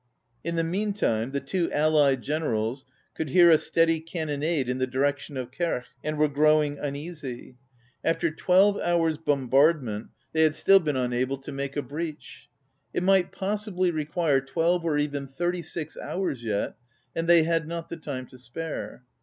In the meantime the two allied generals could hear a steady can nonade in the direction of Quercq, and were growing uneasy. After twelve hours' bombardment they had ON READING still been unable to make a breach. It might possibly require twelve or even thirty six hours yet, and they had not the time to spare.